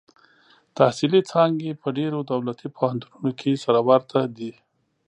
تحصیلي څانګې په ډېرو دولتي پوهنتونونو کې سره ورته دي.